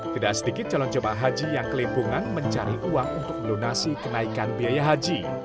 tidak sedikit calon jemaah haji yang kelimpungan mencari uang untuk melunasi kenaikan biaya haji